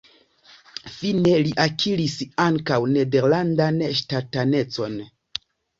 Fine li akiris ankaŭ nederlandan ŝtatanecon.